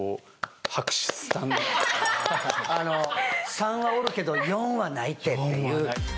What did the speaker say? ３はおるけど４はないってっていう。